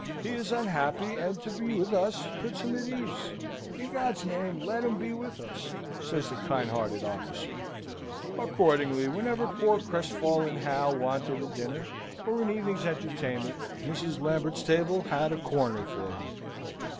He is unhappy, and to be with us puts him at ease; in God's name let him be with us!" says the kind hearted officer. Accordingly, whenever poor crestfallen Hal wanted a dinner, or an evening's entertainment, Mr. Lambert's table had a corner for him.